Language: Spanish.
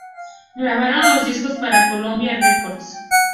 Grabaron dos discos, para Columbia Records.